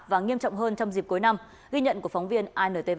và nghiêm trọng hơn trong dịp cuối năm ghi nhận của phóng viên intv